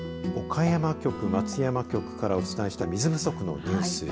岡山局、松山局からお伝えした水不足のニュース。